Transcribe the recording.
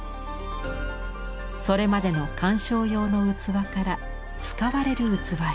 それまでの鑑賞用の器から使われる器へ。